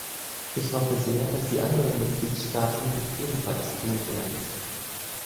Ich hoffe sehr, dass die anderen Mitgliedstaaten dies ebenfalls tun werden.